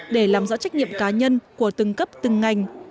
để làm rõ trách nhiệm cá nhân của từng cấp từng ngành